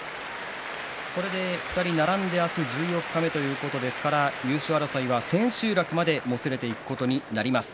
これで２人、並んで明日、十四日目ですから優勝争いは千秋楽までもつれていくことになります。